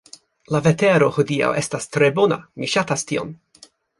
La vetero hodiaŭ estas tre bona mi ŝatas tion